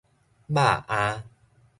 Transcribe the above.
肉餡